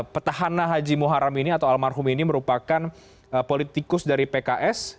petahana haji muharam ini atau almarhum ini merupakan politikus dari pks